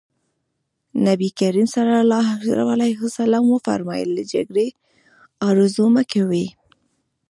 نبي کريم ص وفرمايل له جګړې ارزو مه کوئ.